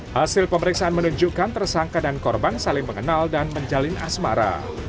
hasil pemeriksaan menunjukkan tersangka dan korban saling mengenal dan menjalin asmara